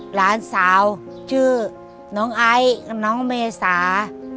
หลานสาวชื่อน้องไอซ์กับน้องเมษา